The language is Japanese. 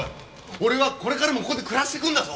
俺はこれからもここで暮らしてくんだぞ！